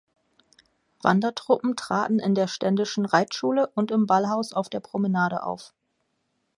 Wandertruppen traten in der ständischen Reitschule und im Ballhaus auf der Promenade auf.